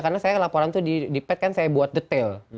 karena saya laporan itu di pet kan saya buat detail